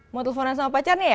mau teleponan sama pacarnya ya